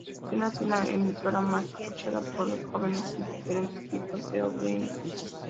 Siendo así la emisora más escuchada por los jóvenes, y diferentes tipos de audiencia.